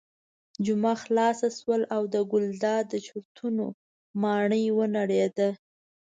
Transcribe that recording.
جمعه خلاصه شوه او د ګلداد د چورتونو ماڼۍ ونړېده.